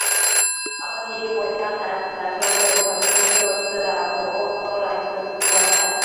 奥地利国家男子篮球队曾经六次打入欧洲篮球锦标赛。